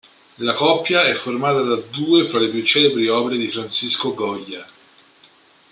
La coppia è formata da due fra le più celebri opere di Francisco Goya.